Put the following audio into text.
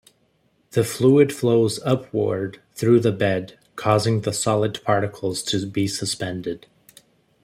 The fluid flows upward through the bed, causing the solid particles to be suspended.